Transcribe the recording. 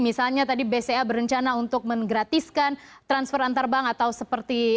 misalnya tadi bca berencana untuk menggratiskan transfer antar bank atau seperti